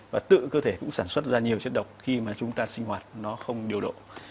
và tự cơ thể cũng sản xuất ra nhiều chất độc khi mà chúng ta sinh hoạt nó không điều độ